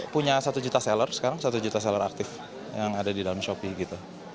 punya satu juta seller sekarang satu juta seller aktif yang ada di dalam shopee gitu